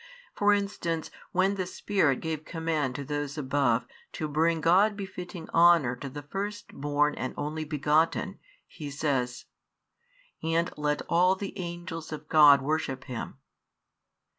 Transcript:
For instance when the Spirit gave command to those above to bring God befitting honour to the Firstborn and Only Begotten, He says: And let all the angels of God worship Him.